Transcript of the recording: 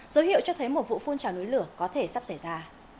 dấu hiệu cho thấy một vụ phun trào núi lửa có thể sắp xảy ra